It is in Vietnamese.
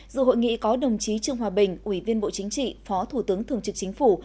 dự hội nghị có đồng chí trương hòa bình ủy viên bộ chính trị phó thủ tướng thường trực chính phủ